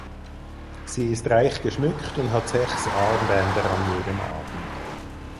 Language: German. Sie ist reich geschmückt und hat sechs Armbänder an jedem Arm.